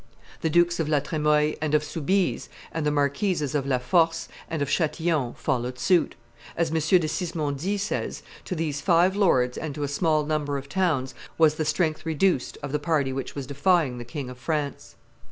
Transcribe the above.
The Dukes of La Tremoille and of Soubise, and the Marquises of La Force and of Chatillon followed suit. As M. de Sismondi says, to these five lords and to a small number of towns was the strength reduced of the party which was defying the King of France.